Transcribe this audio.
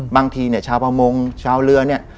บางทีเนี่ยชาวประมงชาวเรือเนี่ย